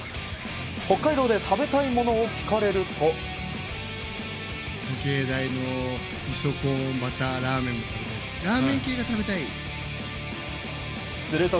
北海道で食べたいものを聞かれると。